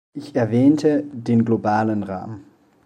Ich erwähnte den globalen Rahmen.